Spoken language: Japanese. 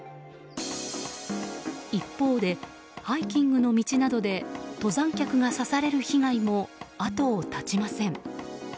一方で、ハイキングの道などで登山客が刺される被害も後を絶ちません。